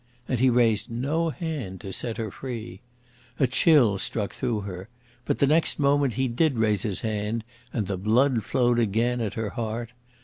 And he raised no hand to set her free. A chill struck through her. But the next moment he did raise his hand and the blood flowed again, at her heart.